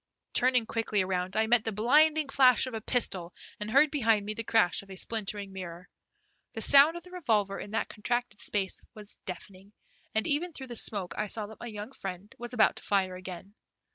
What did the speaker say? Turning quickly around I met the blinding flash of a pistol, and heard behind me the crash of a splintering mirror. The sound of the revolver in that contracted space was deafening, and even through the smoke I saw that my young friend was about to fire again.